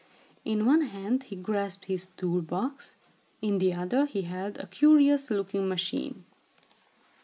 In one hand, he grasped his tool box. In the other, he held a curious looking machine.